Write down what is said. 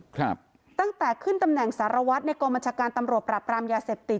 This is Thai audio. ครับตั้งแต่ขึ้นตำแหน่งสารวัตรในกองบัญชาการตำรวจปรับรามยาเสพติด